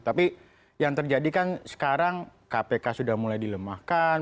tapi yang terjadi kan sekarang kpk sudah mulai dilemahkan